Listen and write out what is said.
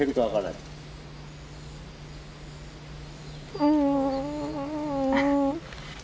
うん。